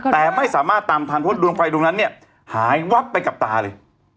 แต่ไม่สามารถตามธามพดดวงไฟดุงนั้นหายวับไปกับตาเลย